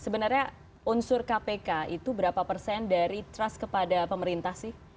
sebenarnya unsur kpk itu berapa persen dari trust kepada pemerintah sih